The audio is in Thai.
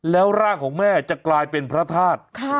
แล้วร่างของแม่จะกลายเป็นพระธาตุ